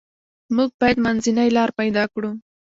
موږ باید منځنۍ لار پیدا کړو.